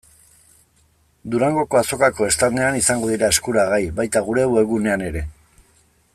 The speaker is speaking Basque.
Durangoko Azokako standean izango dira eskuragai, baita gure webgunean ere.